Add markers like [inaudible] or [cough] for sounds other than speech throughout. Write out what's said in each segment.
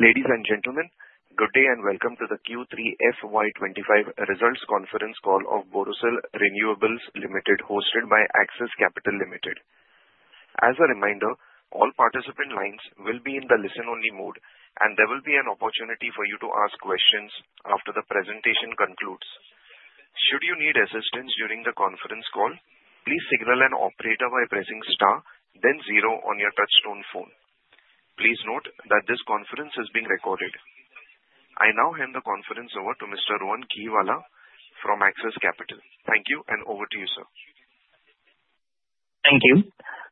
Ladies and gentlemen, good day and Welcome to the Q3 FY25 Results Conference Call of Borosil Renewables Limited, hosted by Axis Capital Limited. As a reminder, all participant lines will be in the listen-only mode, and there will be an opportunity for you to ask questions after the presentation concludes. Should you need assistance during the conference call, please signal an operator by pressing star, then zero on your touch-tone phone. Please note that this conference is being recorded. I now hand the conference over to Mr. Rohan Gheewala from Axis Capital. Thank you, and over to you, sir. Thank you.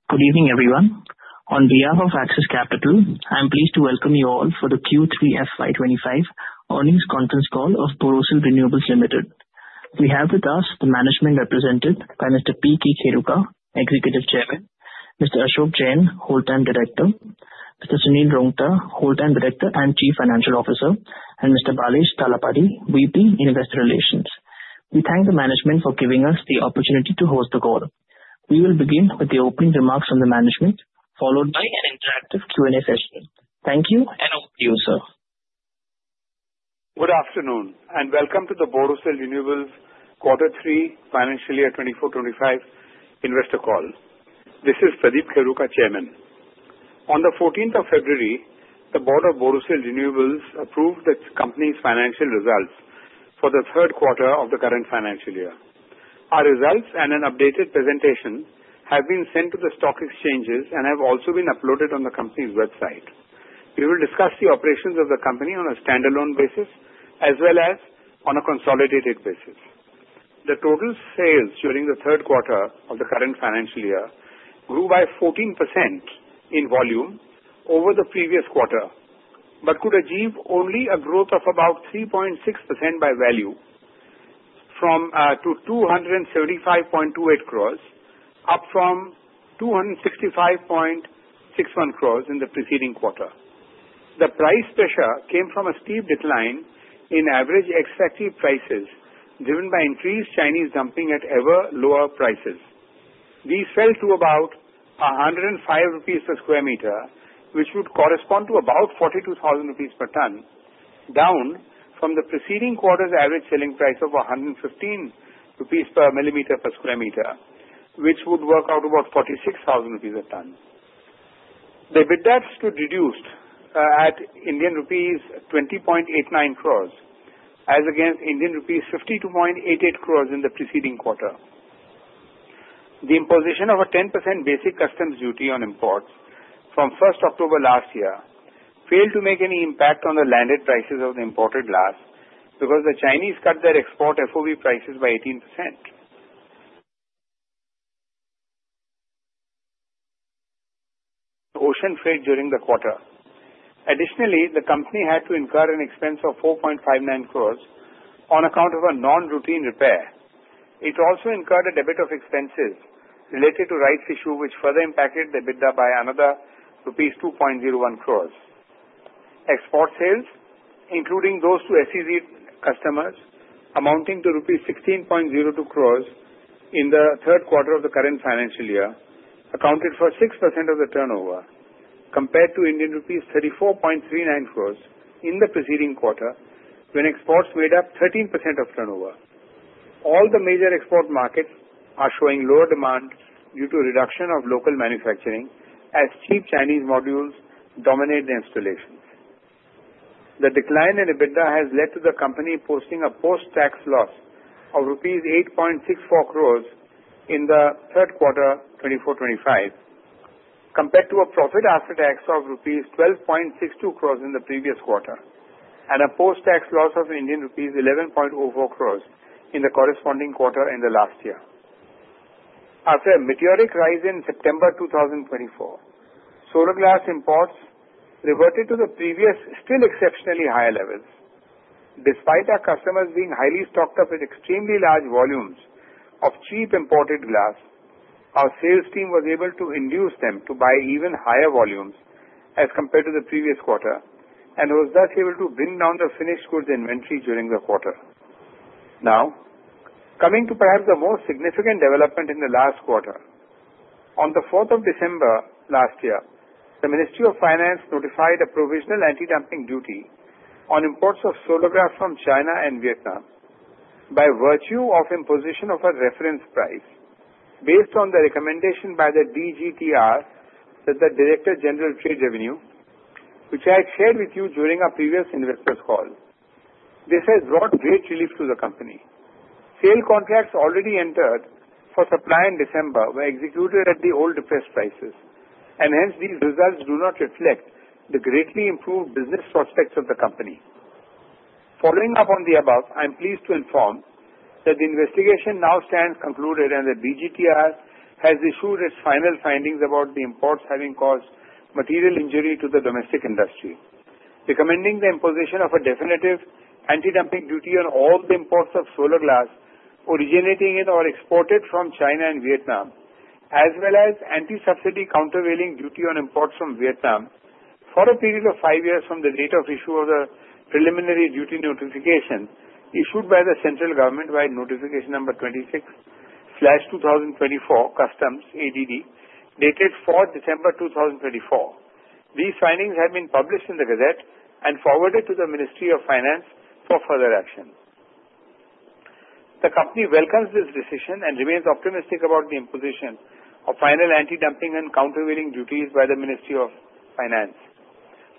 Good evening, everyone. On behalf of Axis Capital, I'm pleased to Welcome you all for the Q3 FY25 Earnings Conference Call of Borosil Renewables Limited. We have with us the management represented by Mr. P. K. Kheruka, Executive Chairman, Mr. Ashok Jain, Whole-time Director, Mr. Sunil Roongta, Whole-time Director and Chief Financial Officer, and Mr. Balesh Talapady, VP Investor Relations. We thank the management for giving us the opportunity to host the call. We will begin with the opening remarks from the management, followed by an interactive Q&A session. Thank you, and over to you, sir. Good afternoon, and welcome to the Borosil Renewables Quarter 3 Financial Year 24-25 Investor Call. This is Pradeep Kheruka, Chairman. On the 14th of February, the Board of Borosil Renewables approved the company's financial results for the third quarter of the current financial year. Our results and an updated presentation have been sent to the stock exchanges and have also been uploaded on the company's website. We will discuss the operations of the company on a standalone basis as well as on a consolidated basis. The total sales during the third quarter of the current financial year grew by 14% in volume over the previous quarter, but could achieve only a growth of about 3.6% by value from 275.28 crores, up from 265.61 crores in the preceding quarter. The price pressure came from a steep decline in average export prices driven by increased Chinese dumping at ever lower prices. These fell to about 105 rupees per square meter, which would correspond to about 42,000 rupees per ton, down from the preceding quarter's average selling price of 115 rupees per millimeter per square meter, which would work out about 46,000 rupees a ton. The EBITDA could be reduced at Indian rupees 20.89 crores, as against Indian rupees 52.88 crores in the preceding quarter. The imposition of a 10% basic customs duty on imports from 1st October last year failed to make any impact on the landed prices of the imported glass because the Chinese cut their export FOB prices by 18%. Ocean freight during the quarter. Additionally, the company had to incur an expense of 4.59 crores on account of a non-routine repair. It also incurred a debit of expenses related to rights issue, which further impacted the EBITDA by another rupees 2.01 crores. Export sales, including those to SEZ customers, amounting to rupees 16.02 crores in the third quarter of the current financial year, accounted for 6% of the turnover, compared to Indian rupees 34.39 crores in the preceding quarter, when exports made up 13% of turnover. All the major export markets are showing lower demand due to reduction of local manufacturing, as cheap Chinese modules dominate the installations. The decline in the EBITDA has led to the company posting a post-tax loss of rupees 8.64 crores in the third quarter 24-25, compared to a profit after tax of rupees 12.62 crores in the previous quarter, and a post-tax loss of Indian rupees 11.04 crores in the corresponding quarter in the last year. After a meteoric rise in September 2024, solar glass imports reverted to the previous still exceptionally high levels. Despite our customers being highly stocked up with extremely large volumes of cheap imported glass, our sales team was able to induce them to buy even higher volumes as compared to the previous quarter, and was thus able to bring down the finished goods inventory during the quarter. Now, coming to perhaps the most significant development in the last quarter, on the 4th of December last year, the Ministry of Finance notified a provisional anti-dumping duty on imports of solar glass from China and Vietnam by virtue of imposition of a reference price, based on the recommendation by the DGTR that the Director General of Trade Remedies, which I had shared with you during our previous investors' call. This has brought great relief to the company. Sales contracts already entered for supply in December were executed at the old depressed prices, and hence these results do not reflect the greatly improved business prospects of the company. Following up on the above, I'm pleased to inform that the investigation now stands concluded and the DGTR has issued its final findings about the imports having caused material injury to the domestic industry, recommending the imposition of a definitive anti-dumping duty on all the imports of solar glass originating in or exported from China and Vietnam, as well as anti-subsidy countervailing duty on imports from Vietnam for a period of five years from the date of issue of the preliminary duty notification issued by the central government by Notification No. 26/2024-Customs (ADD) dated 4th December 2024. These findings have been published in the Gazette and forwarded to the Ministry of Finance for further action. The company welcomes this decision and remains optimistic about the imposition of final anti-dumping and countervailing duties by the Ministry of Finance.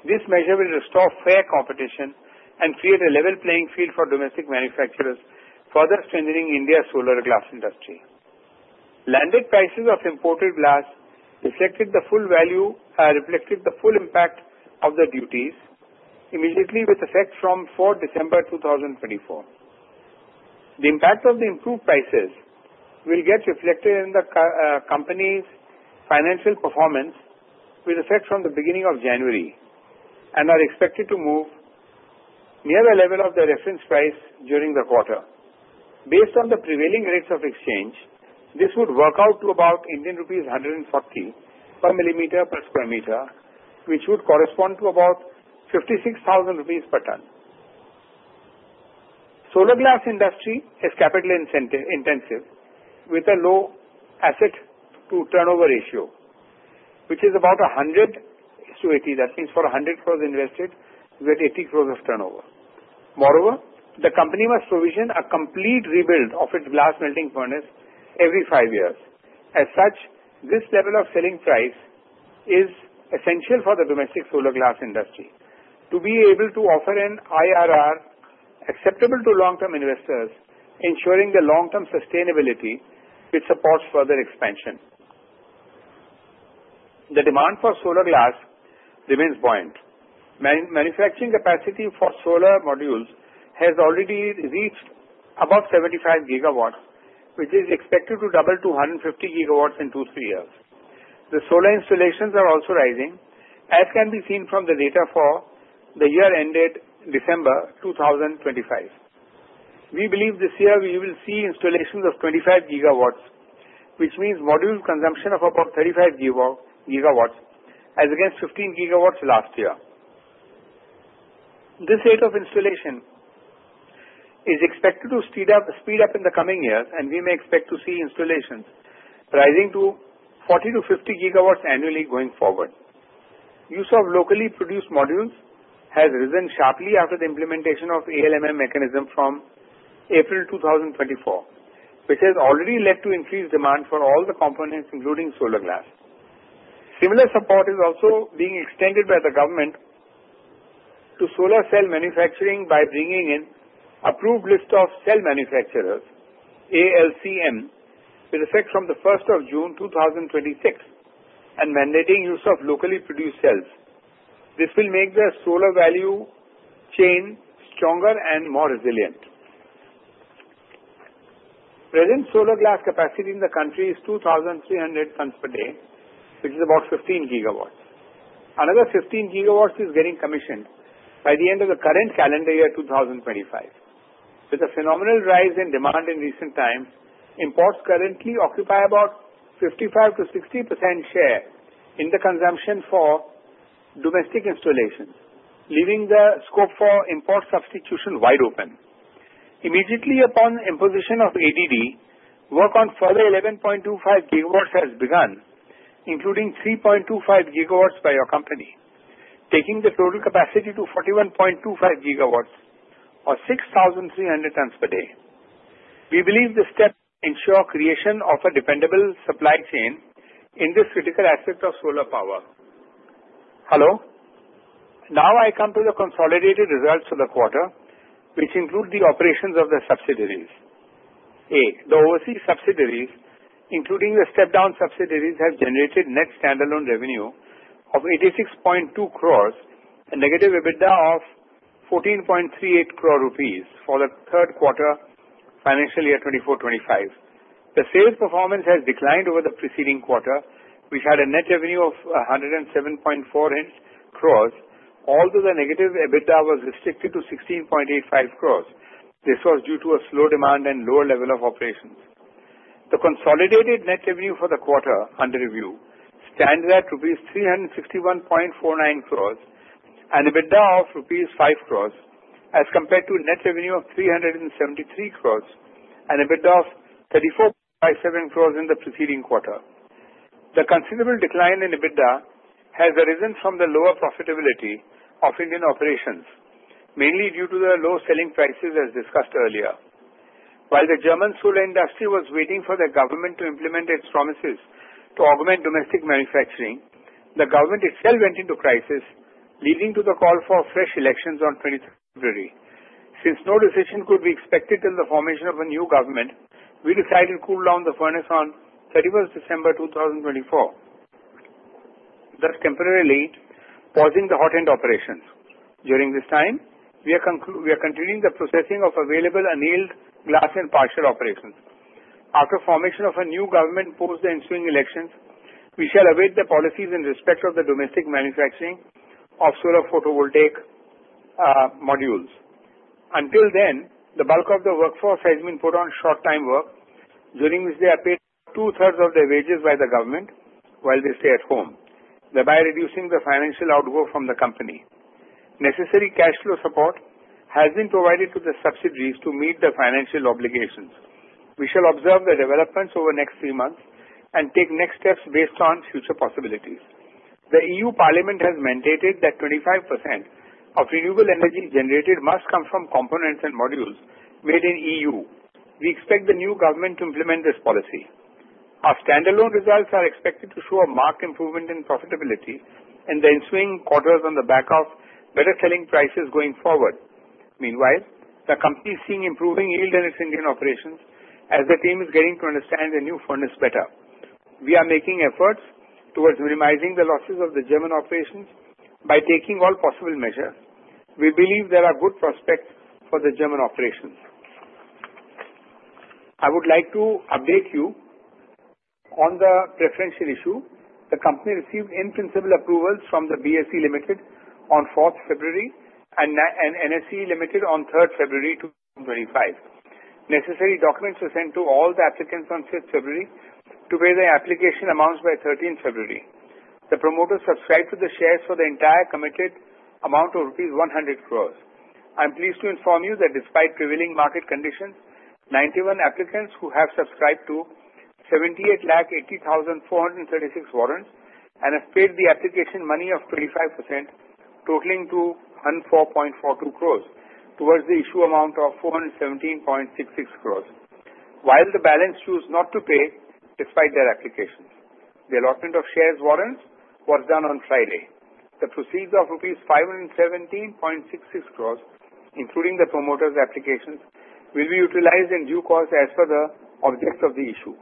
This measure will restore fair competition and create a level playing field for domestic manufacturers, further strengthening India's solar glass industry. Landed prices of imported glass reflected the full value, reflected the full impact of the duties, immediately with effect from 4th December 2024. The impact of the improved prices will get reflected in the company's financial performance with effect from the beginning of January and are expected to move near the level of the reference price during the quarter. Based on the prevailing rates of exchange, this would work out to about Indian rupees 140 per millimeter per square meter, which would correspond to about 56,000 rupees per ton. Solar glass industry is capital intensive with a low asset to turnover ratio, which is about 100 to 80. That means for 100 crores invested, you get 80 crores of turnover. Moreover, the company must provision a complete rebuild of its glass melting furnace every five years. As such, this level of selling price is essential for the domestic solar glass industry to be able to offer an IRR acceptable to long-term investors, ensuring the long-term sustainability which supports further expansion. The demand for solar glass remains buoyant. Manufacturing capacity for solar modules has already reached about 75 gigawatts, which is expected to double to 150 gigawatts in two to three years. The solar installations are also rising, as can be seen from the data for the year ended December 2025. We believe this year we will see installations of 25 gigawatts, which means module consumption of about 35 gigawatts, as against 15 gigawatts last year. This rate of installation is expected to speed up in the coming years, and we may expect to see installations rising to 40 to 50 gigawatts annually going forward. Use of locally produced modules has risen sharply after the implementation of ALMM mechanism from April 2024, which has already led to increased demand for all the components, including solar glass. Similar support is also being extended by the government to solar cell manufacturing by bringing in an approved list of cell manufacturers, ALCM, with effect from the 1st of June 2026, and mandating use of locally produced cells. This will make the solar value chain stronger and more resilient. Present solar glass capacity in the country is 2,300 tons per day, which is about 15 gigawatts. Another 15 gigawatts is getting commissioned by the end of the current calendar year 2025. With a phenomenal rise in demand in recent times, imports currently occupy about 55%-60% share in the consumption for domestic installations, leaving the scope for import substitution wide open. Immediately upon imposition of ADD, work on further 11.25 gigawatts has begun, including 3.25 gigawatts by your company, taking the total capacity to 41.25 gigawatts or 6,300 tons per day. We believe this step ensures creation of a dependable supply chain in this critical aspect of solar power. Hello. Now I come to the consolidated results of the quarter, which include the operations of the subsidiaries. A, The overseas subsidiaries, including the step-down subsidiaries, have generated net standalone revenue of 86.2 crores and negative EBITDA of 14.38 crore rupees for the third quarter financial year 2024-25. The sales performance has declined over the preceding quarter, which had a net revenue of 107.4 crores, although the negative EBITDA was restricted to 16.85 crores. This was due to a slow demand and lower level of operations. The consolidated net revenue for the quarter under review stands at rupees 361.49 crores and EBITDA of rupees five crores, as compared to net revenue of 373 crores and EBITDA of 34.7 crores in the preceding quarter. The considerable decline in EBITDA has arisen from the lower profitability of Indian operations, mainly due to the low selling prices as discussed earlier. While the German solar industry was waiting for the government to implement its promises to augment domestic manufacturing, the government itself went into crisis, leading to the call for fresh elections on 23rd February. Since no decision could be expected till the formation of a new government, we decided to cool down the furnace on 31st December 2024, thus temporarily pausing the hot-end operations. During this time, we are continuing the processing of available annealed glass in partial operations. After formation of a new government post the ensuing elections, we shall await the policies in respect of the domestic manufacturing of solar photovoltaic modules. Until then, the bulk of the workforce has been put on short-time work, during which they are paid two-thirds of their wages by the government while they stay at home, thereby reducing the financial outgrowth from the company. Necessary cash flow support has been provided to the subsidiaries to meet the financial obligations. We shall observe the developments over the next three months and take next steps based on future possibilities. The EU Parliament has mandated that 25% of renewable energy generated must come from components and modules made in EU. We expect the new government to implement this policy. Our standalone results are expected to show a marked improvement in profitability in the ensuing quarters on the back of better selling prices going forward. Meanwhile, the company is seeing improving yield in its Indian operations as the team is getting to understand the new furnace better. We are making efforts towards minimizing the losses of the German operations by taking all possible measures. We believe there are good prospects for the German operations. I would like to update you on the preferential issue. The company received in-principle approvals from the BSE Limited on 4th February and NSE Limited on 3rd February 2025. Necessary documents were sent to all the applicants on 5th February to pay the application amounts by 13th February. The promoters subscribed to the shares for the entire committed amount of rupees 100 crores. I'm pleased to inform you that despite prevailing market conditions, 91 applicants who have subscribed to 78,80,436 warrants and have paid the application money of 25%, totaling to 104.42 crores, towards the issue amount of 417.66 crores, while the balance chose not to pay despite their applications. The allotment of shares warrants was done on Friday. The proceeds of rupees 517.66 crores, including the promoters' applications, will be utilized in due course as per the object of the issue.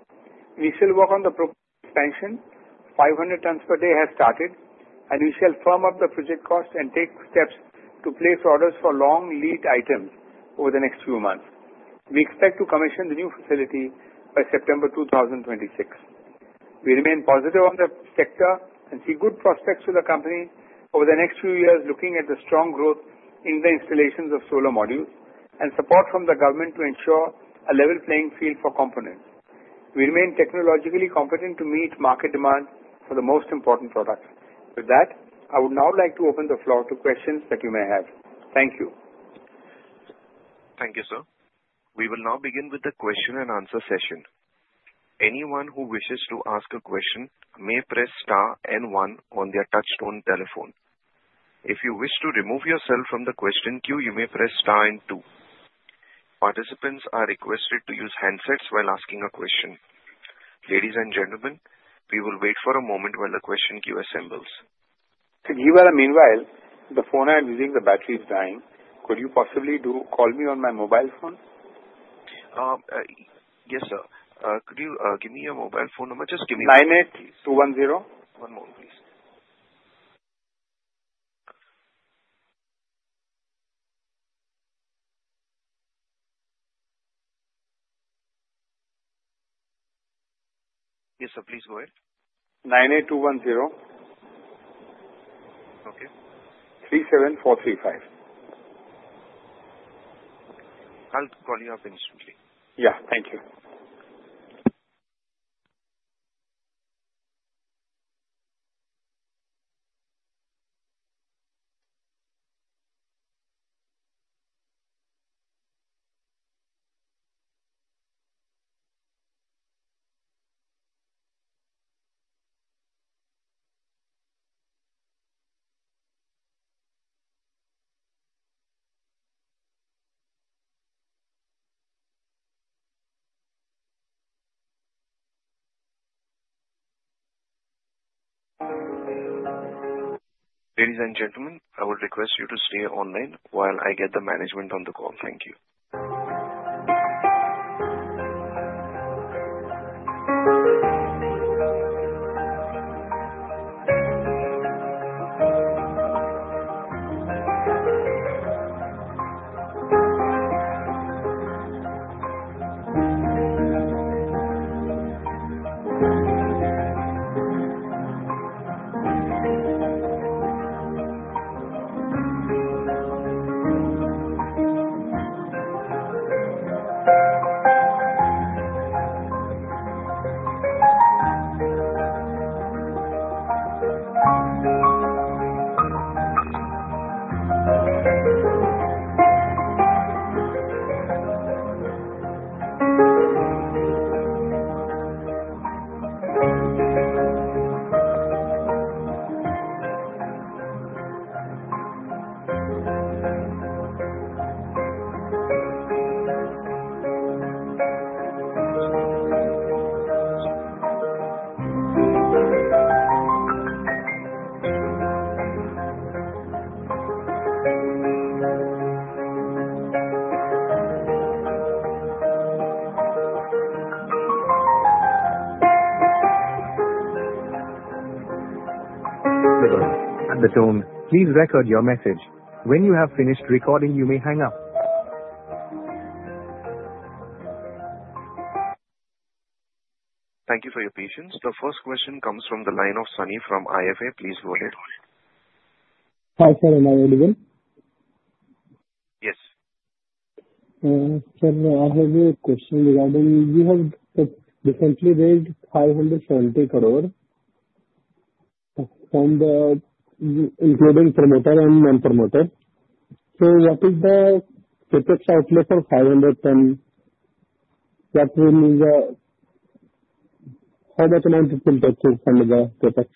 We shall work on the proposed expansion.500 tons per day has started, and we shall firm up the project cost and take steps to place orders for long lead items over the next few months. We expect to commission the new facility by September 2026. We remain positive on the sector and see good prospects for the company over the next few years, looking at the strong growth in the installations of solar modules and support from the government to ensure a level playing field for components. We remain technologically competent to meet market demand for the most important products. With that, I would now like to open the floor to questions that you may have. Thank you. Thank you, sir. We will now begin with the question and answer session. Anyone who wishes to ask a question may press star and one on their touch-tone telephone. If you wish to remove yourself from the question queue, you may press star and two. Participants are requested to use handsets while asking a question. Ladies and gentlemen, we will wait for a moment while the question queue assembles. Meanwhile, the phone I am using, the battery is dying. Could you possibly call me on my mobile phone? Yes, sir. Could you give me your mobile phone number? Just give me the number. 98210. One moment, please. Yes, sir. Please go ahead. 98210. Okay. 37435. I'll call you up instantly. Yeah. Thank you. Ladies and gentlemen, I would request you to stay online while I get the management on the call. Thank you. Hello. The tone. Please record your message. When you have finished recording, you may hang up. Thank you for your patience. The first question comes from the line of Sunny from IFA. Please go ahead. Hi, sir. Am I audible? Yes. Sir, I have a question regarding you have recently raised 570 crore from the including promoter and non-promoter. So what is the CapEx outlay for 510? That will mean how much amount it will take to fund the CapEx?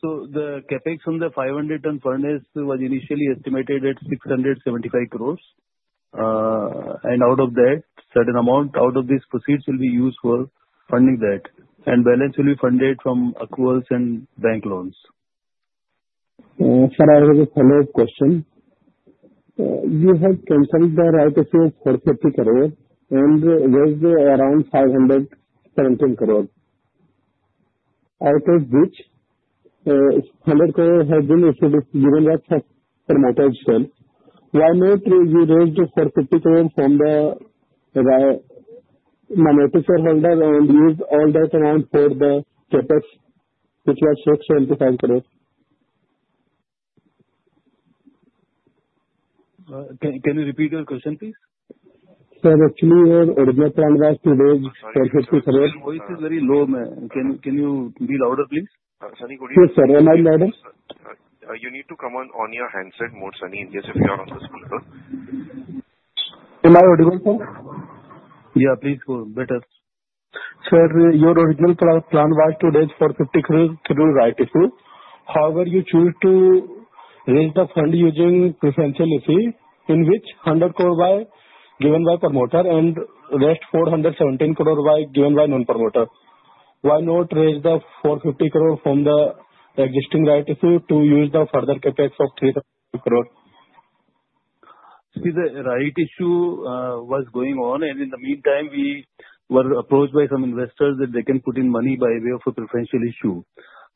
So the CapEx on the 510 furnace was initially estimated at 675 crores. And out of that, certain amount out of these proceeds will be used for funding that. And balance will be funded from accruals and bank loans. Sir, I have a follow-up question. You have canceled the rights issue of 450 crore and raised around 517 crore. Out of which, 100 crore has been issued given that from promoter itself. Why not you raised 450 crore from the manufacturer holder and used all that amount for the CapEx, which was INR 675 crore? Can you repeat your question, please? Sir, actually, your original plan was to raise 450 crore. Voice is very low. Can you be louder, please? Sunny, could you? Yes, sir. Am I louder? You need to come on your handset, more Sunny. Just if you are on the speaker. Am I audible, sir? Yeah, please go better. Sir, your original plan was to raise 450 crore through rights issue. However, you chose to raise the fund using preferential issue, in which 100 crore were given by promoter and the rest 417 crore were given by non-promoter. Why not raise the 450 crore from the existing rights issue to use the further CapEx of 375 crore? See, the rights issue was going on, and in the meantime, we were approached by some investors that they can put in money by way of a preferential issue,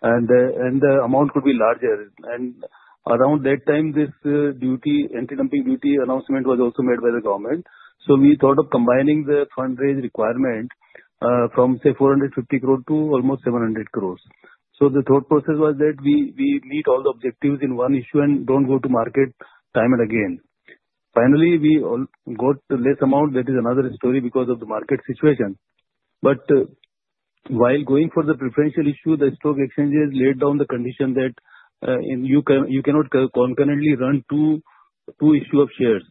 and the amount could be larger. Around that time, this duty, anti-dumping duty announcement was also made by the government. We thought of combining the fund-raise requirement from, say, 450 crore to almost 700 crores. The thought process was that we meet all the objectives in one issue and don't go to market time and again. Finally, we got the less amount. That is another story because of the market situation. While going for the preferential issue, the stock exchanges laid down the condition that you cannot concurrently run two issues of shares.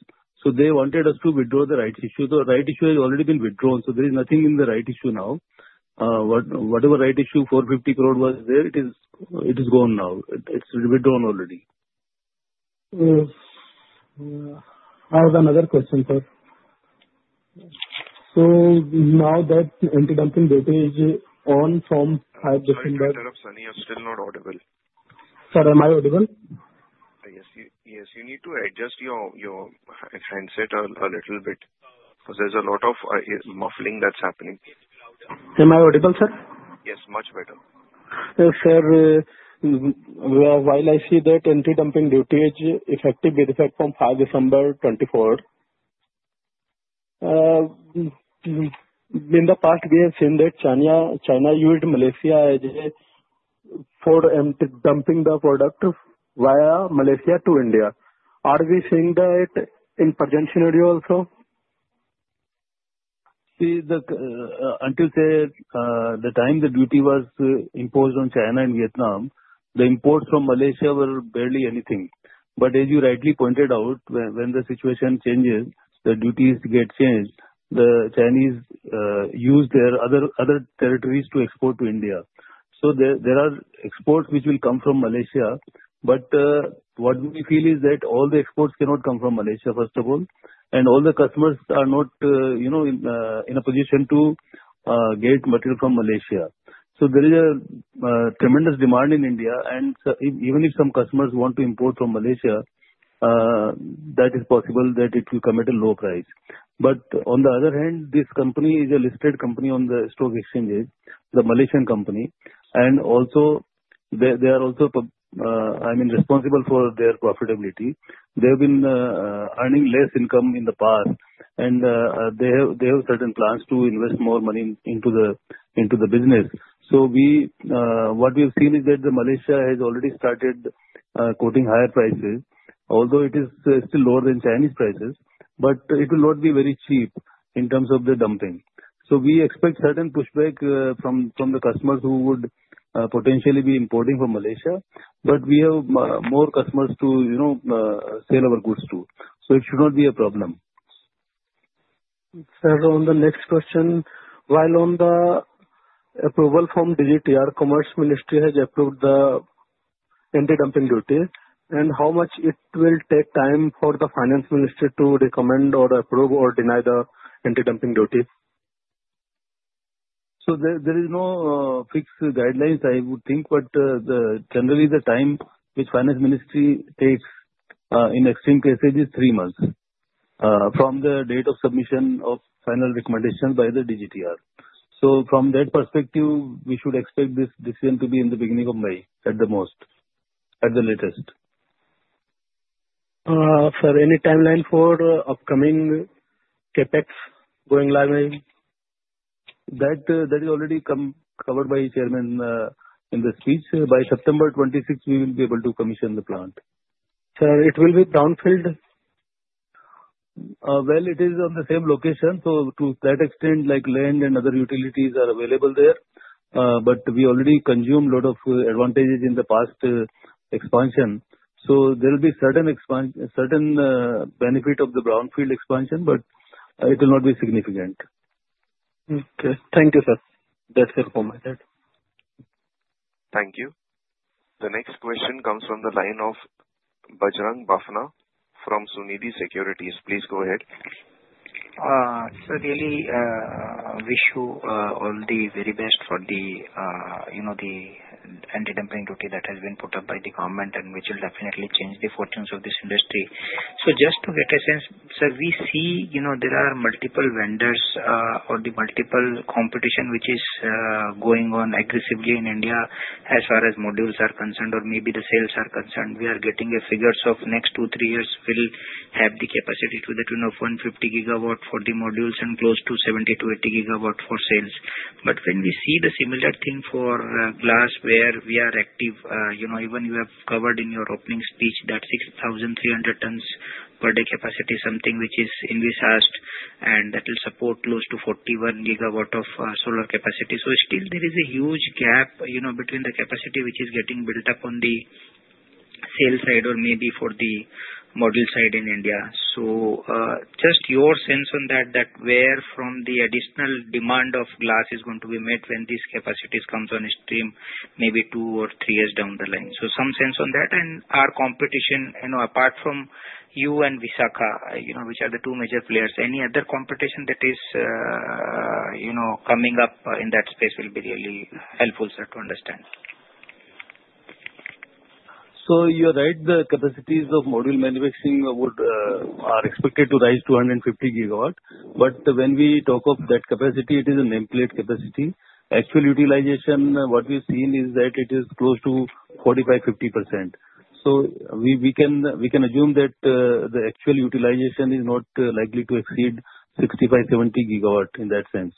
They wanted us to withdraw the rights issue. The rights issue has already been withdrawn. There is nothing in the rights issue now. Whatever rights issue, 450 crore was there, it is gone now. It's withdrawn already. I have another question, sir. Now that anti-dumping duty is on from 5 December. I'm sorry, sir. I'm sorry, sir. Sunny, you're still not audible. Sir, am I audible? Yes. Yes. You need to adjust your handset a little bit because there's a lot of muffling that's happening. Am I audible, sir? Yes. Much better. Sir, while I see that anti-dumping duty is effective with effect from 5 December 2024, in the past, we have seen that China used Malaysia as a forum for dumping the product via Malaysia to India. Are we seeing that in the current juncture also? See, until the time the duty was imposed on China and Vietnam, the imports from Malaysia were barely anything. But as you rightly pointed out, when the situation changes, the duties get changed. The Chinese use their other territories to export to India. So there are exports which will come from Malaysia. But what we feel is that all the exports cannot come from Malaysia, first of all. And all the customers are not in a position to get material from Malaysia. So there is a tremendous demand in India. And even if some customers want to import from Malaysia, that is possible that it will come at a low price. But on the other hand, this company is a listed company on the stock exchanges, the Malaysian company. And they are also, I mean, responsible for their profitability. They have been earning less income in the past. And they have certain plans to invest more money into the business. So what we have seen is that Malaysia has already started quoting higher prices, although it is still lower than Chinese prices. But it will not be very cheap in terms of the dumping. So we expect certain pushback from the customers who would potentially be importing from Malaysia. But we have more customers to sell our goods to. So it should not be a problem. Sir, on the next question, while on the approval from DGTR, Commerce Ministry has approved the anti-dumping duty, and how much it will take time for the Finance Ministry to recommend or approve or deny the anti-dumping duty? So there is no fixed guidelines, I would think. But generally, the time which Finance Ministry takes in extreme cases is three months from the date of submission of final recommendation by the DGTR. So from that perspective, we should expect this decision to be in the beginning of May at the most, at the latest. Sir, any timeline for upcoming CapEx going live? That is already covered by Chairman in the speech. By September 26, we will be able to commission the plant. Sir, it will be brownfield? Well, it is on the same location. So to that extent, like land and other utilities are available there. But we already consumed a lot of advantages in the past expansion. So there will be certain benefit of the brownfield expansion, but it will not be significant. Okay. Thank you, sir. That's it from my side. Thank you. The next question comes from the line of Bajrang Bafna from Sunidhi Securities. Please go ahead. Sir, really wish you all the very best for the anti-dumping duty that has been put up by the government, which will definitely change the fortunes of this industry. So just to get a sense, sir, we see there are multiple vendors or the multiple competition which is going on aggressively in India as far as modules are concerned or maybe the sales are concerned. We are getting figures of next two, three years will have the capacity to the tune of 150 gigawatts for the modules and close to 70-80 gigawatts for cells. But when we see the similar thing for glass, where we are active, even you have covered in your opening speech that 6,300 tons per day capacity is something which is envisaged, and that will support close to 41 gigawatts of solar capacity. So still, there is a huge gap between the capacity which is getting built up on the cells side or maybe for the module side in India. So just your sense on that, that where from the additional demand of glass is going to be met when these capacities come on stream, maybe two or three years down the line. Some sense on that and our competition, apart from you and Vishakha, which are the two major players. Any other competition that is coming up in that space will be really helpful, sir, to understand. You are right. The capacities of module manufacturing are expected to rise to 150 gigawatt. But when we talk of that capacity, it is a nameplate capacity. Actual utilization, what we've seen is that it is close to 45%-50%. We can assume that the actual utilization is not likely to exceed 65-70 gigawatt in that sense.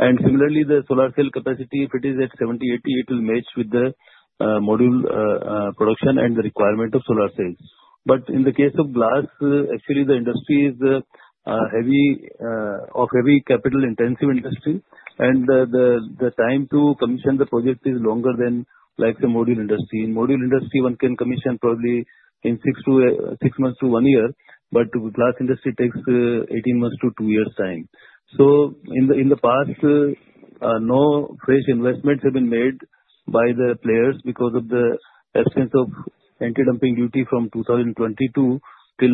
Similarly, the solar cell capacity, if it is at 70-80, it will match with the module production and the requirement of solar cells. But in the case of glass, actually, the industry is of heavy capital-intensive industry, and the time to commission the project is longer than like the module industry. In module industry, one can commission probably in six months to one year, but glass industry takes 18 months to two years' time. So in the past, no fresh investments have been made by the players because of the absence of anti-dumping duty from 2022 till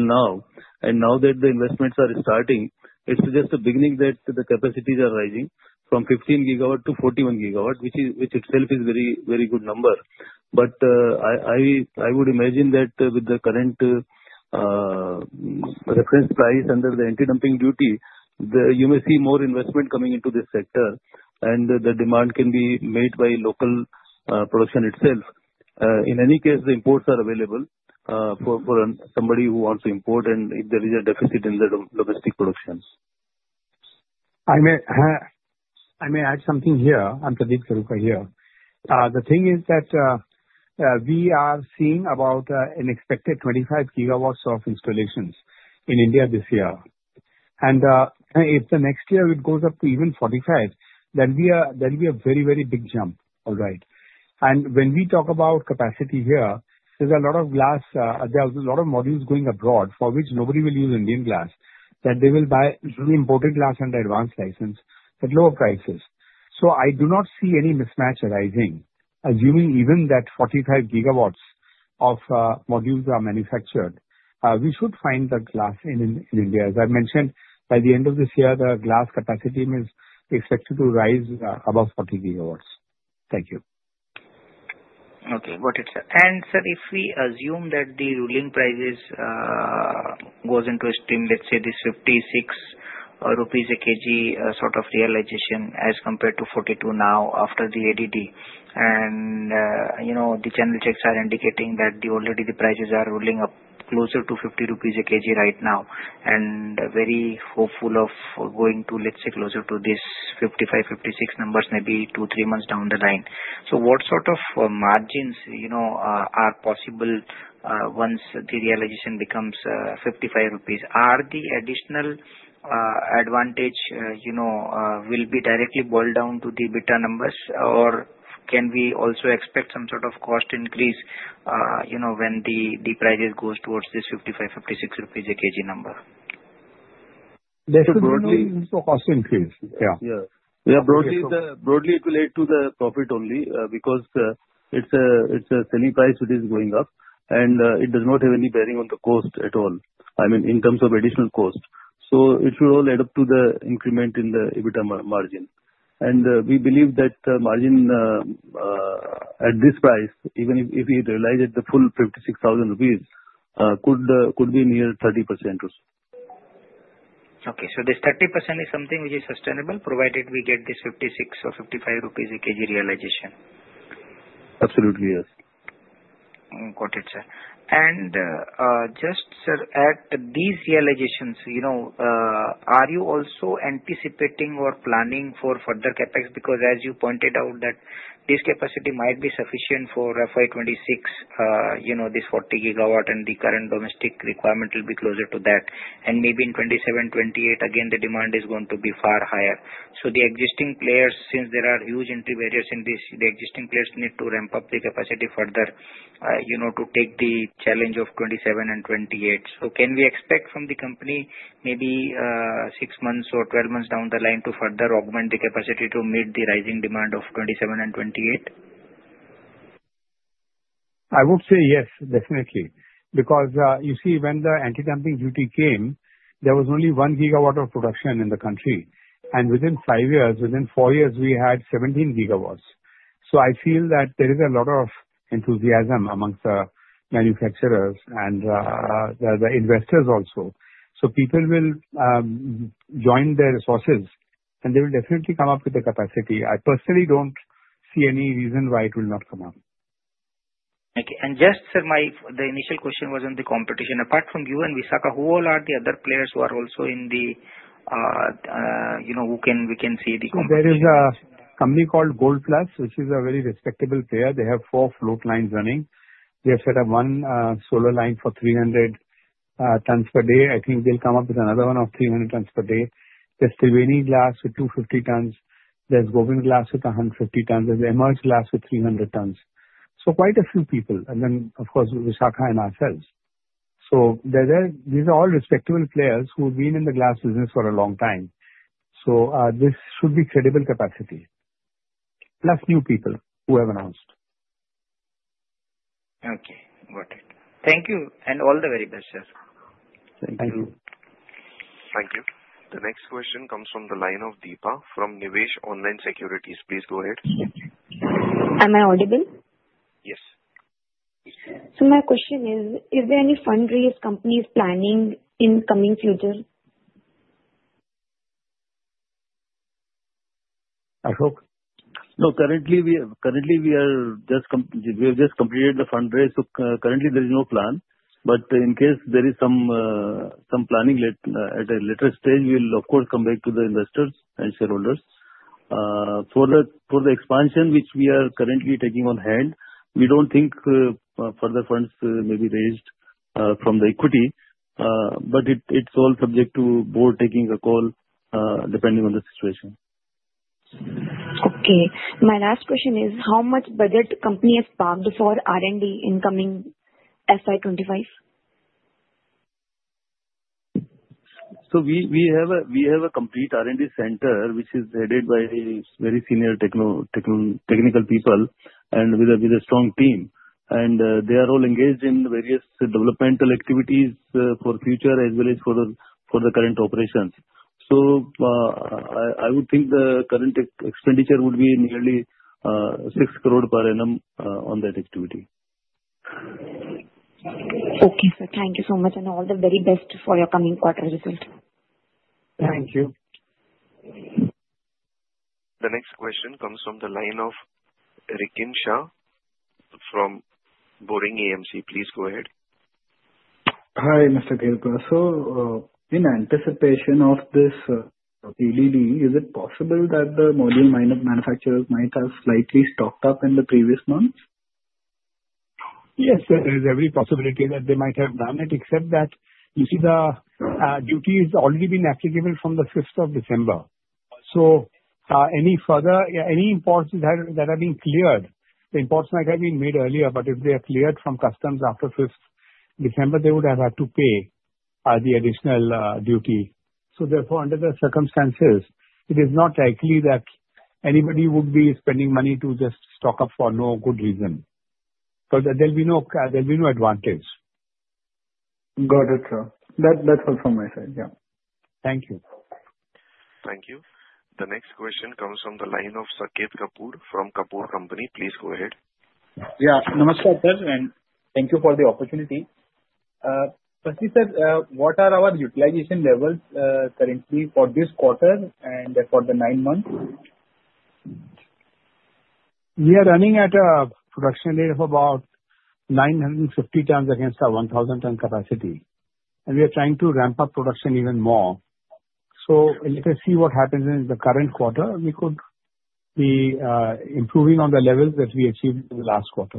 now, and now that the investments are starting, it's just the beginning that the capacities are rising from 15 gigawatt to 41 gigawatt, which itself is a very good number, but I would imagine that with the current reference price under the anti-dumping duty, you may see more investment coming into this sector, and the demand can be made by local production itself. In any case, the imports are available for somebody who wants to import, and if there is a deficit in the domestic production. I may add something here. I'm Pradeep K. Kheruka here. The thing is that we are seeing about an expected 25 gigawatts of installations in India this year, and if the next year it goes up to even 45, that will be a very, very big jump, all right? And when we talk about capacity here, there's a lot of glass, there's a lot of modules going abroad for which nobody will use Indian glass, that they will buy imported glass under Advanced License at lower prices. So I do not see any mismatch arising, assuming even that 45 gigawatts of modules are manufactured. We should find the glass in India. As I mentioned, by the end of this year, the glass capacity is expected to rise above 40 gigawatts. Thank you. Okay. Got it, sir. Sir, if we assume that the ruling prices goes into a stream, let's say this 56 rupees a kg sort of realization as compared to 42 now after the ADD, and the channel checks are indicating that already the prices are ruling up closer to 50 rupees a kg right now, and very hopeful of going to, let's say, closer to this 55-56 numbers maybe two-three months down the line. So what sort of margins are possible once the realization becomes 55 rupees? Are the additional advantage will be directly boiled down to the bottom numbers, or can we also expect some sort of cost increase when the prices go towards this 55-56 rupees a kg number? That would be a cost increase. Yeah. Yeah. Broadly, it will add to the profit only because it's a selling price which is going up, and it does not have any bearing on the cost at all, I mean, in terms of additional cost. So it should all add up to the increment in the EBITDA margin. And we believe that the margin at this price, even if we realize at the full 56,000 rupees, could be near 30% or so. Okay. So this 30% is something which is sustainable provided we get this 56 or 55 rupees a kg realization? Absolutely, yes. Got it, sir. And just, sir, at these realizations, are you also anticipating or planning for further CapEx? Because as you pointed out, that this capacity might be sufficient for FY 26, this 40 gigawatt, and the current domestic requirement will be closer to that. Maybe in 2027, 2028, again, the demand is going to be far higher. So the existing players, since there are huge entry barriers in this, the existing players need to ramp up the capacity further to take the challenge of 2027 and 2028. So can we expect from the company maybe six months or 12 months down the line to further augment the capacity to meet the rising demand of 2027 and 2028? I would say yes, definitely. Because you see, when the anti-dumping duty came, there was only one gigawatt of production in the country. And within five years, within four years, we had 17 gigawatts. So I feel that there is a lot of enthusiasm among the manufacturers and the investors also. So people will join their resources, and they will definitely come up with the capacity. I personally don't see any reason why it will not come up. Okay. And just, sir, the initial question was on the competition. Apart from you and Vishakha, who all are the other players who are also in the who can see the competition? There is a company called Gold Plus, which is a very respectable player. They have four float lines running. They have set up one solar line for 300 tons per day. I think they'll come up with another one of 300 tons per day. There's Triveni Glass with 250 tons. There's Gobind Glass with 150 tons. There's Emerge Glass with 300 tons. So quite a few people. And then, of course, Vishakha and ourselves. So these are all respectable players who have been in the glass business for a long time. So this should be credible capacity, plus new people who have announced. Okay. Got it. Thank you. And all the very best, sir. Thank you. Thank you. The next question comes from the line of Deepa from Nivesh Online Securities. Please go ahead. Am I audible? Yes. So my question is, is there any fundraising the company is planning in the coming future? Ashok? No, currently we have just completed the fundraise. So currently, there is no plan. But in case there is some planning at a later stage, we will, of course, come back to the investors and shareholders. For the expansion which we are currently taking on hand, we don't think further funds may be raised from the equity. But it's all subject to board taking a call depending on the situation. Okay. My last question is, how much budget the company has parked for R&D in coming FY 25? We have a complete R&D center which is headed by very senior technical people and with a strong team. And they are all engaged in various developmental activities for future as well as for the current operations. So I would think the current expenditure would be nearly 6 crore per annum on that activity. Okay, sir. Thank you so much. And all the very best for your coming quarter results. Thank you. The next question comes from the line of Rikin Shah from Boring AMC. Please go ahead. Hi, Mr. Kheruka. So in anticipation of this ADD, is it possible that the module manufacturers might have slightly stocked up in the previous months? Yes, sir. There is every possibility that they might have done it, except that you see the duty has already been applicable from the 5th of December. So any imports that are being cleared, the imports might have been made earlier, but if they are cleared from customs after 5th December, they would have had to pay the additional duty. So therefore, under the circumstances, it is not likely that anybody would be spending money to just stock up for no good reason. So there will be no advantage. Got it, sir. That's all from my side. Yeah. Thank you. Thank you. The next question comes from the line of Saket Kapoor from Kapoor & Company. Please go ahead. Yeah. Namaskar, sir. And thank you for the opportunity. Pradeep sir, what are our utilization levels currently for this quarter and for the nine months? We are running at a production rate of about 950 tons against a 1,000-ton capacity. And we are trying to ramp up production even more. So let us see what happens in the current quarter. We could be improving on the levels that we achieved in the last quarter.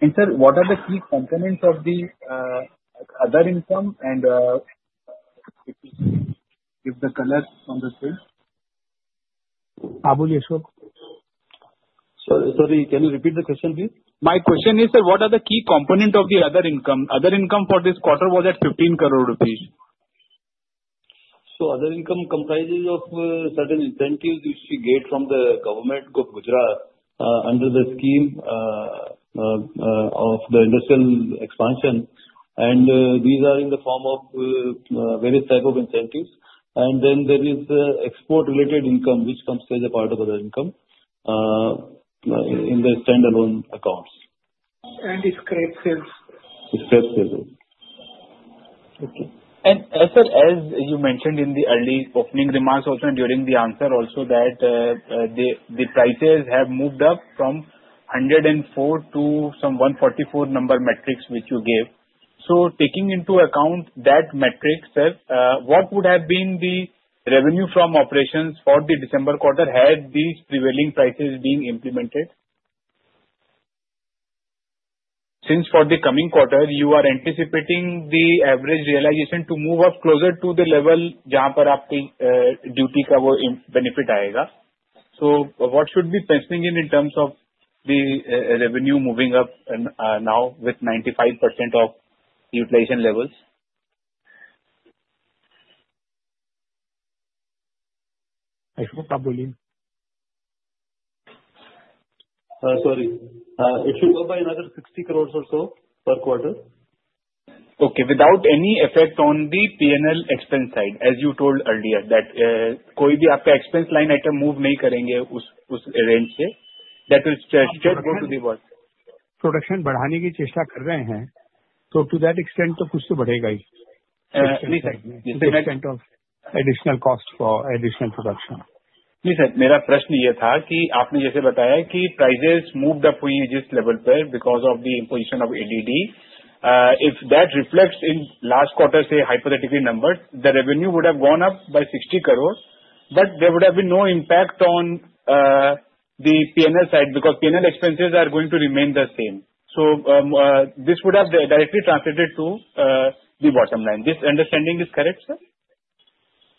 And sir, what are the key components of the other income? And the caller on the screen? Ashok. Sorry, can you repeat the question, please? My question is, sir, what are the key components of the other income? Other income for this quarter was at 15 crore rupees. So other income comprises of certain incentives which we get from the Government of Gujarat under the scheme of the industrial expansion. And these are in the form of various types of incentives. And then there is export-related income which comes as a part of the income in the standalone accounts. And it's credit sales. It's credit sales. Okay. Sir, as you mentioned in the early opening remarks also and during the answer also that the prices have moved up from 104 to some 144 number metrics which you gave. So taking into account that metric, sir, what would have been the revenue from operations for the December quarter had these prevailing prices being implemented? Since for the coming quarter, you are anticipating the average realization to move up closer to the level jahaan par aap ki duty ka woh benefit aaye ga. So what should be pencilling in terms of the revenue moving up now with 95% of utilization levels? It should go by another 60 crores or so per quarter. Okay. Without any effect on the P&L expense side, as you told earlier that कोई भी आपका expense line item move नहीं करेंगे उस range से, that will go to the bottom. Production बढ़ाने की चेष्टा कर रहे हैं, so to that extent तो कुछ तो बढ़ेगा ही. Extremely slightly. To that extent of additional cost for additional production. नहीं, sir, मेरा प्रश्न यह था कि आपने जैसे बताया कि prices moved up हुई हैं जिस level पर because of the imposition of ADD. If that reflects in last quarter's hypothetical numbers, the revenue would have gone up by 60 crore, but there would have been no impact on the P&L side because P&L expenses are going to remain the same. So this would have directly translated to the bottom line. This understanding is correct, sir?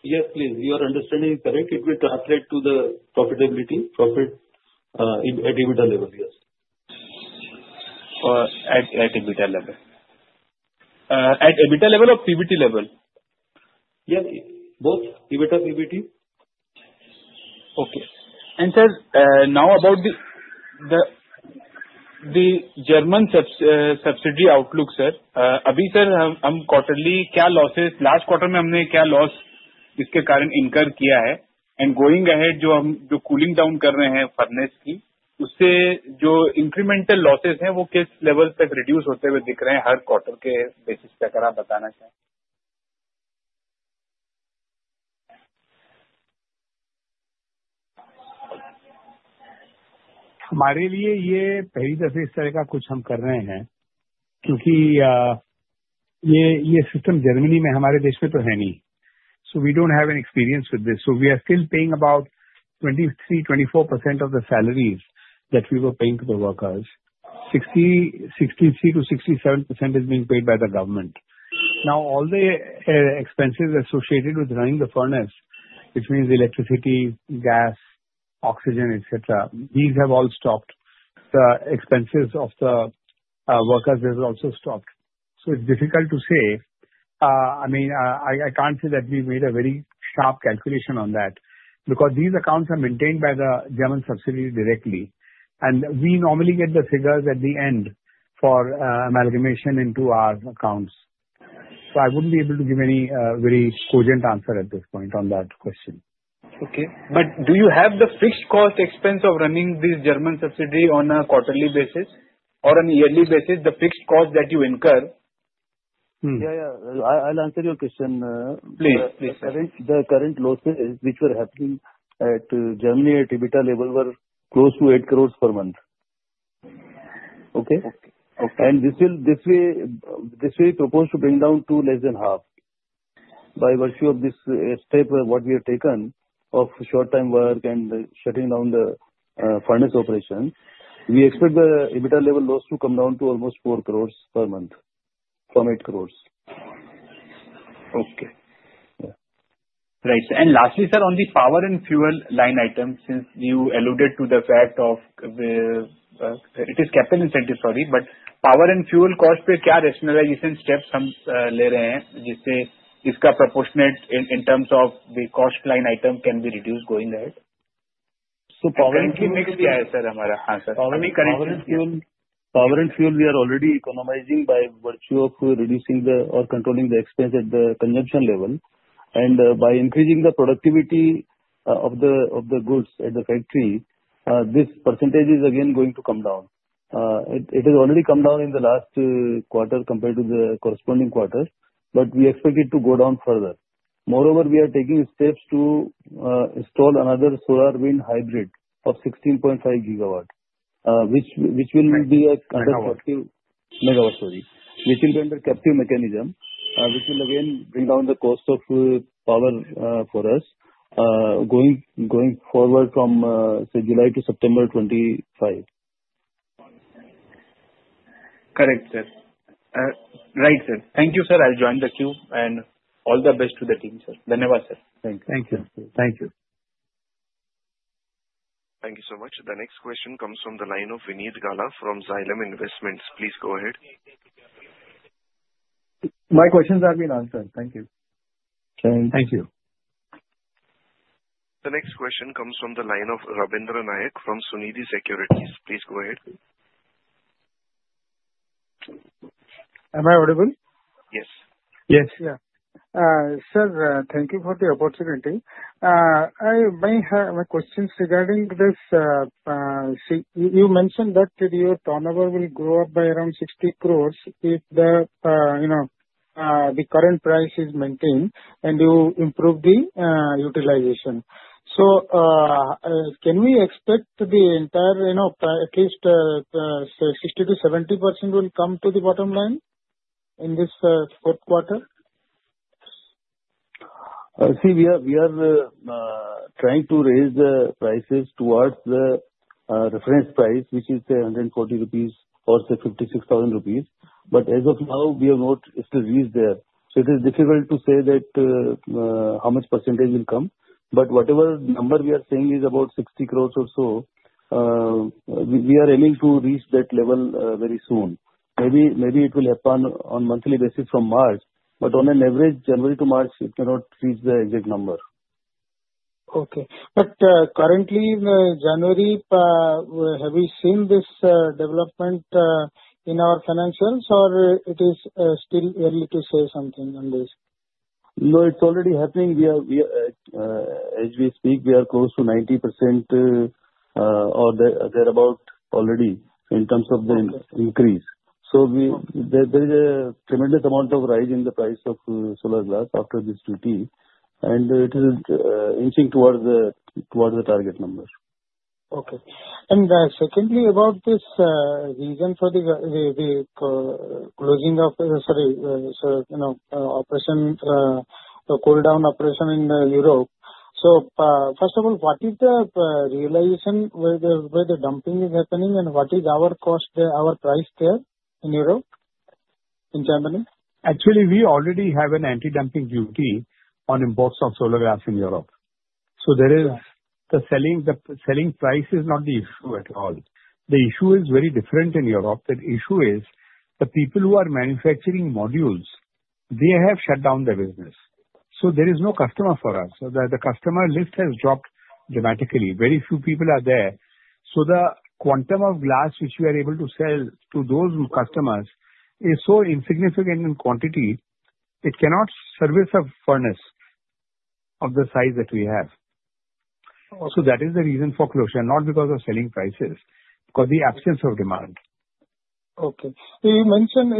Yes, please. Your understanding is correct. It will translate to the profitability, profit at EBITDA level, yes. At EBITDA level? At EBITDA level or PBT level? Yes. Both EBITDA, PBT. Okay. And sir, now about the German subsidy outlook, sir. अभी, sir, हम quarterly क्या losses last quarter में हमने क्या loss इसके कारण incur किया है? And going ahead, जो हम cooling down कर रहे हैं furnace की, उससे जो incremental losses हैं, वो किस level तक reduce होते हुए दिख रहे हैं हर quarter के basis पे अगर आप बताना चाहें? हमारे लिए यह पहली दफे इस तरह का कुछ हम कर रहे हैं क्योंकि यह system Germany में हमारे देश में तो है नहीं. So we don't have any experience with this. So we are still paying about 23%-24% of the salaries that we were paying to the workers. 63%-67% is being paid by the government. Now, all the expenses associated with running the furnace, which means electricity, gas, oxygen, etc., these have all stopped. The expenses of the workers have also stopped. So it's difficult to say. I mean, I can't say that we made a very sharp calculation on that because these accounts are maintained by the German subsidiary directly. And we normally get the figures at the end for amalgamation into our accounts. So I wouldn't be able to give any very cogent answer at this point on that question. Okay. But do you have the fixed cost expense of running this German subsidiary on a quarterly basis or on a yearly basis, the fixed cost that you incur? Yeah, yeah. I'll answer your question. Please, please. The current losses which were happening in Germany at EBITDA level were close to 8 crores per month. Okay? This way we propose to bring down to less than half. By virtue of this step what we have taken of short-time work and shutting down the furnace operation, we expect the EBITDA level loss to come down to almost four crores per month from eight crores. Okay. Right. Lastly, sir, on the power and fuel line item, since you alluded to the fact of it is capital intensive, sorry, but power and fuel cost, kya rationalization steps हम ले रहे हैं जिससे इसका proportionate in terms of the cost line item can be reduced going ahead? So currently mixed क्या है, sir, हमारा? Ha, sir. Currently, power and fuel we are already economizing by virtue of reducing the or controlling the expense at the consumption level. By increasing the productivity of the goods at the factory, this percentage is again going to come down. It has already come down in the last quarter compared to the corresponding quarter, but we expect it to go down further. Moreover, we are taking steps to install another solar wind hybrid of 16.5 MW, which will be a captive megawatt, sorry, which will be under captive mechanism, which will again bring down the cost of power for us going forward from, say, July to September 2025. Correct, sir. Right, sir. Thank you, sir. I'll join the queue and all the best to the team, sir. Dhanwar, sir. Thank you. Thank you. Thank you. Thank you so much. The next question comes from the line of Vineet Gala from Xylem Investments. Please go ahead. My questions have been answered. Thank you. Thank you. The next question comes from the line of Ravindra Nayak from Sunidhi Securities. Please go ahead. Am I audible? Yes. Yes. Yeah. Sir, thank you for the opportunity. I may have a question regarding this. You mentioned that your turnover will grow up by around 60 crores if the current price is maintained and you improve the utilization. So, can we expect the entire, at least, say, 60%-70% will come to the bottom line in this fourth quarter? See, we are trying to raise the prices towards the reference price, which is 140 rupees or say 56,000 rupees. But as of now, we have not still reached there. So it is difficult to say that how much percentage will come. But whatever number we are saying is about 60 crores or so. We are aiming to reach that level very soon. Maybe it will happen on a monthly basis from March. But on an average, January to March, it cannot reach the exact number. Okay. But currently, in January, have we seen this development in our financials, or it is still early to say something on this? No, it's already happening. As we speak, we are close to 90% or thereabout already in terms of the increase. So there is a tremendous amount of rise in the price of solar glass after this duty. And it is inching towards the target number. Okay. And secondly, about this reason for the closing of, sorry, operation, the cool down operation in Europe. So first of all, what is the realization where the dumping is happening, and what is our cost, our price there in Europe, in Germany? Actually, we already have an anti-dumping duty on imports of solar glass in Europe. So the selling price is not the issue at all. The issue is very different in Europe. The issue is the people who are manufacturing modules, they have shut down their business. So there is no customer for us. The customer list has dropped dramatically. Very few people are there. So the quantum of glass which we are able to sell to those customers is so insignificant in quantity, it cannot service a furnace of the size that we have. So that is the reason for closure, not because of selling prices, because of the absence of demand. Okay. You mentioned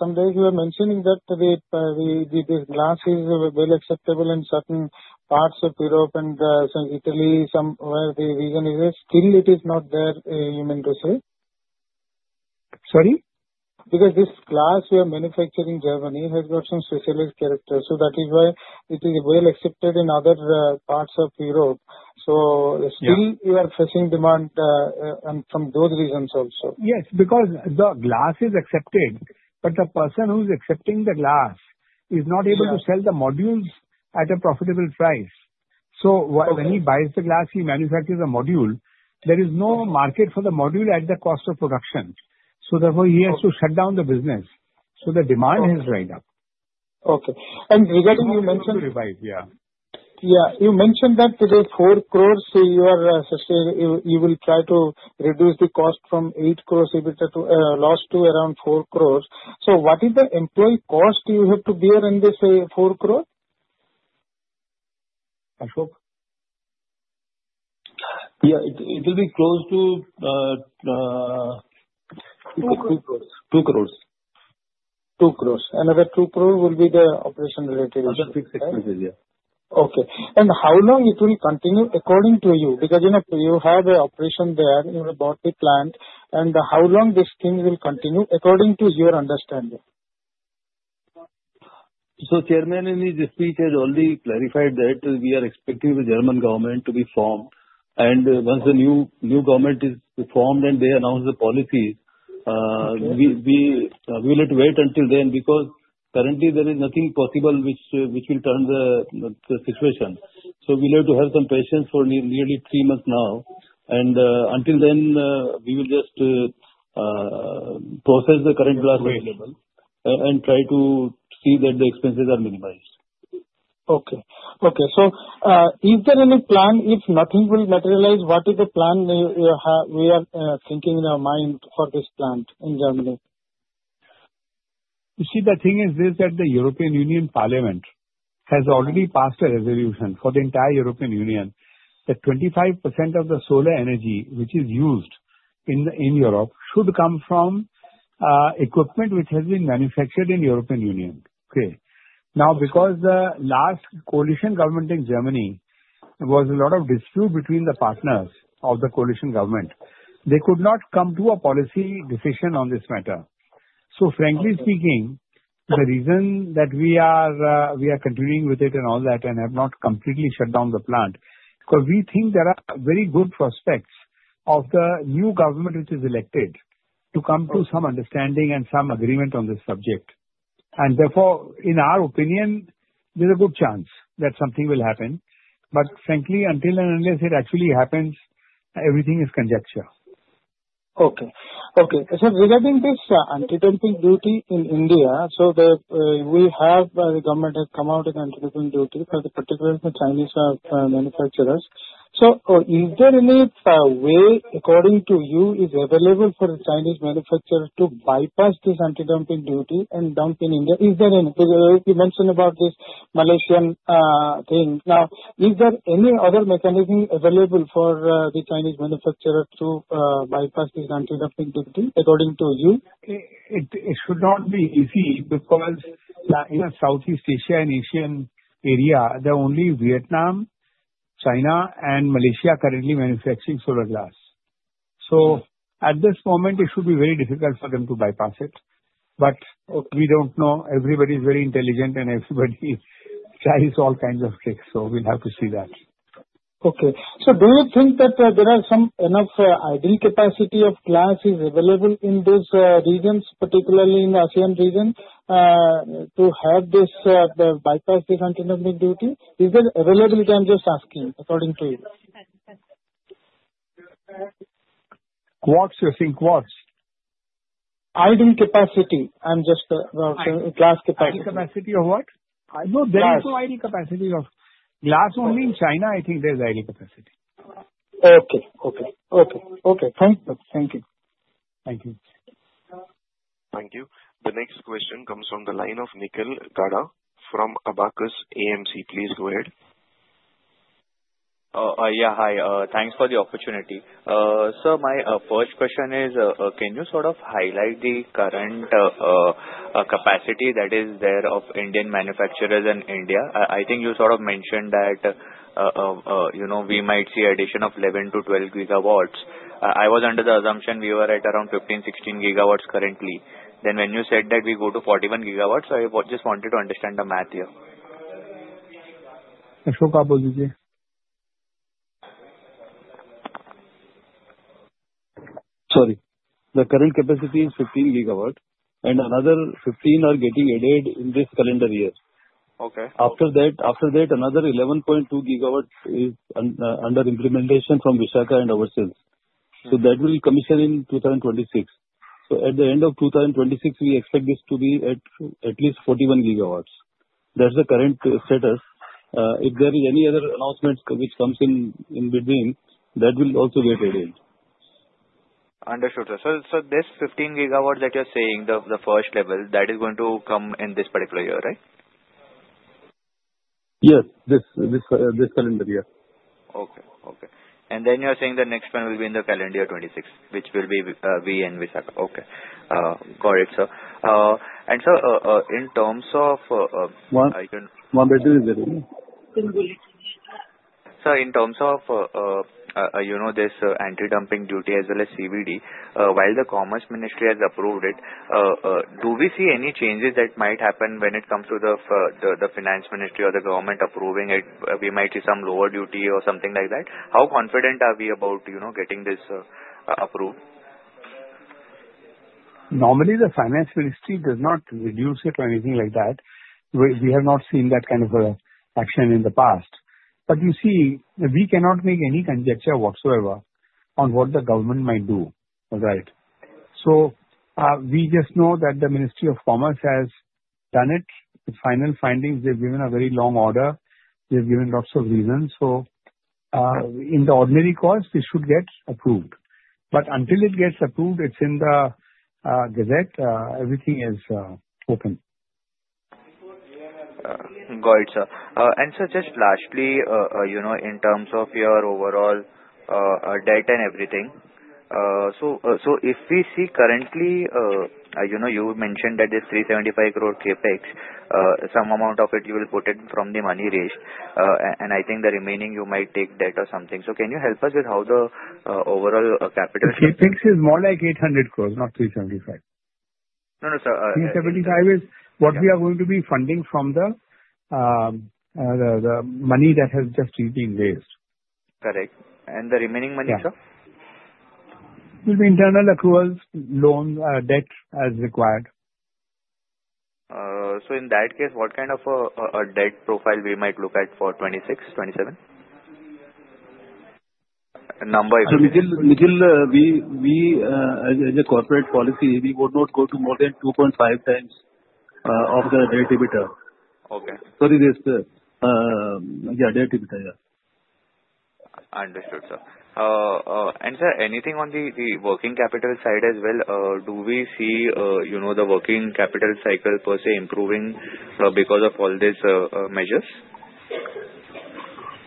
someday you were mentioning that these glasses were well acceptable in certain parts of Europe and some Italy, somewhere the region is still, it is not there, you mean to say? Sorry? Because this glass we are manufacturing in Germany has got some specialized character. So that is why it is well accepted in other parts of Europe. So still, you are facing demand from those reasons also. Yes, because the glass is accepted, but the person who is accepting the glass is not able to sell the modules at a profitable price. So when he buys the glass, he manufactures a module. There is no market for the module at the cost of production. So therefore, he has to shut down the business. So the demand has dried up. Okay. And regarding, you mentioned, yeah. Yeah. You mentioned that today four crores, you will try to reduce the cost from eight crores loss to around four crores. So what is the employee cost you have to bear in this four crores? Ashok? Yeah. It will be close to two crores. Two crores. Two crores. Another two crores will be the operation related issue. Other fixed expenses, yeah. Okay. And how long it will continue according to you? Because you have an operation there in a bhatti plant, and how long this thing will continue according to your understanding? So, Chairman, in his speech, has already clarified that we are expecting the German government to be formed. And once the new government is formed and they announce the policies, we will have to wait until then because currently, there is nothing possible which will turn the situation. So we'll have to have some patience for nearly three months now. And until then, we will just process the current glass available and try to see that the expenses are minimized. Okay. Okay. So is there any plan? If nothing will materialize, what is the plan we are thinking in our mind for this plant in Germany? You see, the thing is this that the European Union Parliament has already passed a resolution for the entire European Union that 25% of the solar energy which is used in Europe should come from equipment which has been manufactured in the European Union. Okay? Now, because the last coalition government in Germany was a lot of dispute between the partners of the coalition government, they could not come to a policy decision on this matter. So frankly speaking, the reason that we are continuing with it and all that and have not completely shut down the plant is because we think there are very good prospects of the new government which is elected to come to some understanding and some agreement on this subject. And therefore, in our opinion, there's a good chance that something will happen. But frankly, until and unless it actually happens, everything is conjecture. Okay. Okay. So regarding this anti-dumping duty in India, so we have the government has come out with anti-dumping duty for the particular Chinese manufacturers. So is there any way, according to you, is available for the Chinese manufacturer to bypass this anti-dumping duty and dump in India? Is there any? Because you mentioned about this Malaysian thing. Now, is there any other mechanism available for the Chinese manufacturer to bypass this anti-dumping duty, according to you? It should not be easy because in Southeast Asia and Asian area, there are only Vietnam, China, and Malaysia currently manufacturing solar glass. So at this moment, it should be very difficult for them to bypass it. But we don't know. Everybody is very intelligent, and everybody tries all kinds of tricks. So we'll have to see that. Okay. So do you think that there are some enough idle capacity of glass available in those regions, particularly in the ASEAN region, to have this bypass this anti-dumping duty? Is there availability? I'm just asking, according to you. What's your think? What's? Idle capacity. I'm just glass capacity. Idle capacity of what? No, there is no idle capacity of glass. Only in China, I think there's idle capacity. Okay, okay, okay. Thank you. Thank you. The next question comes from the line of Nikhil Gada from Abakkus AMC. Please go ahead. Yeah. Hi. Thanks for the opportunity. Sir, my first question is, can you sort of highlight the current capacity that is there of Indian manufacturers in India? I think you sort of mentioned that we might see addition of 11-12 gigawatts. I was under the assumption we were at around 15, 16 gigawatts currently. Then when you said that we go to 41 gigawatts, I just wanted to understand the math here. Ashok, please. Sorry. The current capacity is 15 gigawatts, and another 15 are getting added in this calendar year. After that, another 11.2 gigawatts is under implementation from Vishakha and overseas. So that will commission in 2026. So at the end of 2026, we expect this to be at least 41 gigawatts. That's the current status. If there is any other announcement which comes in between, that will also get added. Understood. So this 15 gigawatts that you're saying, the first level, that is going to come in this particular year, right? Yes. This calendar year. Okay. Okay. And then you're saying the next one will be in the calendar year 2026, which will be Vietnam and Vishakha. Okay. Got it, sir. And sir, in terms of? [crosstalk] Sir, in terms of this anti-dumping duty as well as CVD, while the Commerce Ministry has approved it, do we see any changes that might happen when it comes to the Finance Ministry or the government approving it? We might see some lower duty or something like that. How confident are we about getting this approved? Normally, the Finance Ministry does not reduce it or anything like that. We have not seen that kind of action in the past, but you see, we cannot make any conjecture whatsoever on what the government might do. All right, so we just know that the Ministry of Commerce has done it. The final findings, they've given a very long order. They've given lots of reasons, so in the ordinary course, it should get approved. But until it gets approved, it's in the gazette. Everything is open. Got it, sir. And sir, just lastly, in terms of your overall debt and everything, so if we see currently, you mentioned that there's 375 crore capex. Some amount of it, you will put it from the money raised. And I think the remaining, you might take debt or something. So can you help us with how the overall capital. capex is more like 800 crores, not 375. No, no, sir. 375 is what we are going to be funding from the money that has just been raised. Correct. And the remaining money, sir? It will be internal accruals, loans, debt as required. So in that case, what kind of a debt profile we might look at for 26, 27? Thank you, Nikhil. We, as a corporate policy, would not go to more than 2.5 times of the debt limit. Understood, sir. And sir, anything on the working capital side as well? Do we see the working capital cycle per se improving because of all these measures?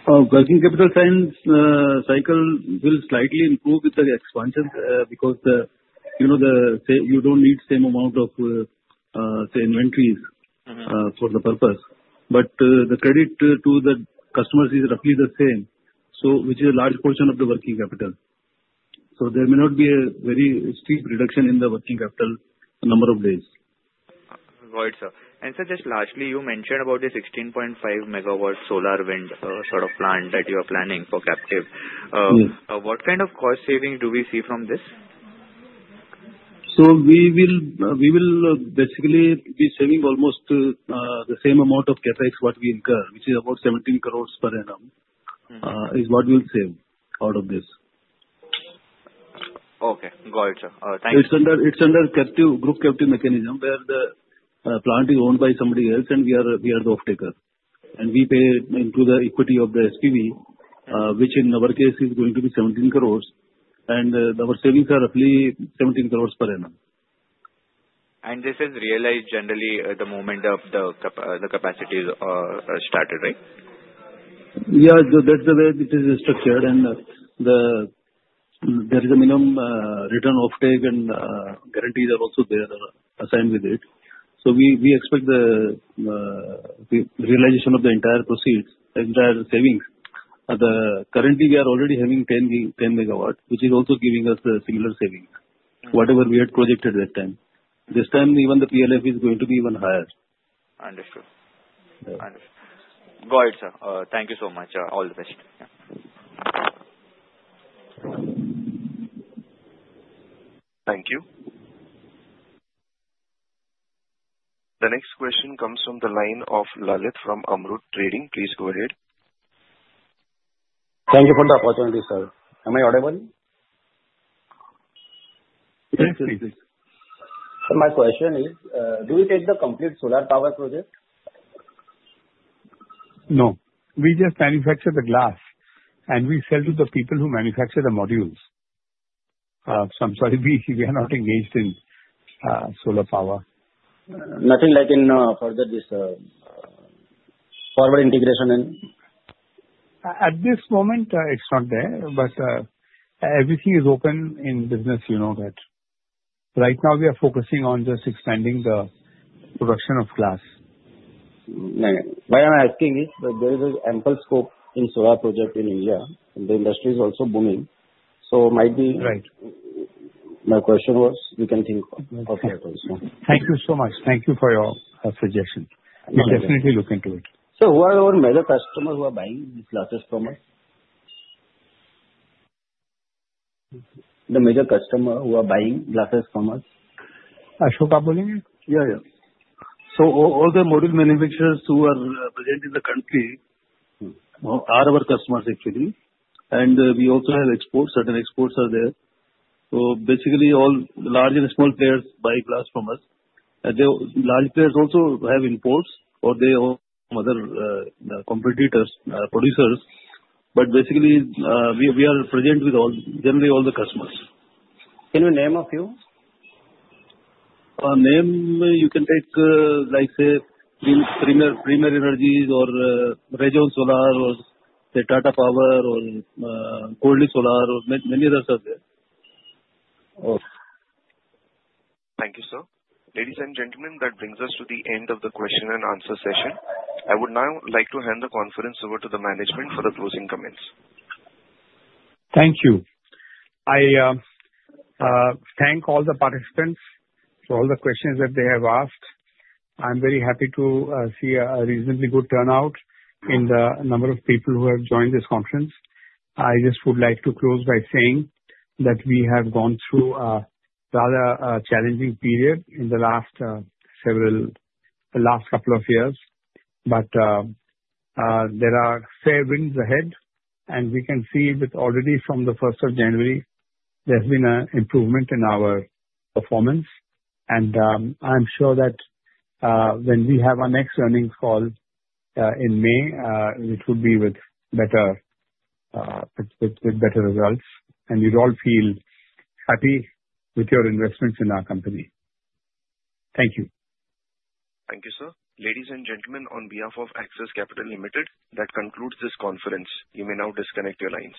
Working capital cycle will slightly improve with the expansion because you do not need the same amount of inventories for the purpose. But the credit to the customers is roughly the same, which is a large portion of the working capital. So there may not be a very steep reduction in the working capital number of days. Got it, sir. And sir, just lastly, you mentioned about the 16.5 megawatt solar wind sort of plant that you are planning for captive. What kind of cost savings do we see from this? So we will basically be saving almost the same amount of capex what we incur, which is about 17 crores per annum is what we'll save out of this. Okay. Got it, sir. Thank you. It's under group captive mechanism where the plant is owned by somebody else, and we are the off-taker. And we pay into the equity of the SPV, which in our case is going to be 17 crores. And our savings are roughly 17 crores per annum. And this is realized generally at the moment of the capacity started, right? Yeah. That's the way it is structured. And there is a minimum return off-take and guarantees are also there assigned with it. So we expect the realization of the entire proceeds, entire savings. Currently, we are already having 10 megawatts, which is also giving us the similar savings, whatever we had projected this time. This time, even the PLF is going to be even higher. Understood. Understood. Got it, sir. Thank you so much. All the best. Thank you. The next question comes from the line of Lalit from Amrit Trading. Please go ahead. Thank you for the opportunity, sir. Am I audible? Thank you. Sir, my question is, do you take the complete solar power project? No. We just manufacture the glass, and we sell to the people who manufacture the modules. So I'm sorry, we are not engaged in solar power. Nothing like in further this forward integration and? At this moment, it's not there. But everything is open in business that right now, we are focusing on just expanding the production of glass. Why I'm asking is there is an ample scope in solar project in India. The industry is also booming. So it might be my question was we can think of that also. Thank you so much. Thank you for your suggestion. We'll definitely look into it. So who are our major customers who are buying these glasses from us? The major customer who are buying glasses from us? Ashok, please. Yeah, yeah. So all the module manufacturers who are present in the country are our customers, actually. And we also have exports. Certain exports are there. So basically, all large and small players buy glass from us. Large players also have imports or they have other competitors, producers. But basically, we are present with generally all the customers. Can you name a few? Name you can take like say Premier Energies or Rayzon Solar or Tata Power or Goldi Solar or many others are there. Thank you, sir. Ladies and gentlemen, that brings us to the end of the question and answer session. I would now like to hand the conference over to the management for the closing comments. Thank you. I thank all the participants for all the questions that they have asked. I'm very happy to see a reasonably good turnout in the number of people who have joined this conference. I just would like to close by saying that we have gone through a rather challenging period in the last couple of years. But there are fair winds ahead. And we can see already from the 1st of January, there's been an improvement in our performance. And I'm sure that when we have our next earnings call in May, it will be with better results. And you'd all feel happy with your investments in our company. Thank you. Thank you, sir. Ladies and gentlemen, on behalf of Axis Capital Limited, that concludes this conference. You may now disconnect your lines.